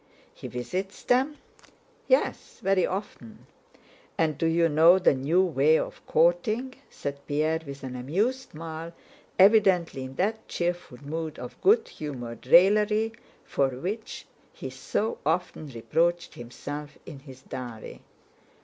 "He visits them?" "Yes, very often. And do you know the new way of courting?" said Pierre with an amused smile, evidently in that cheerful mood of good humored raillery for which he so often reproached himself in his diary.